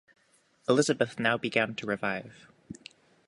Elizabeth now began to revive.